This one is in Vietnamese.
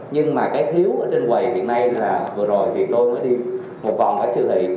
nhưng mà cái thiếu ở trên quầy hiện nay là vừa rồi thì tôi mới đi một vòng phải siêu thị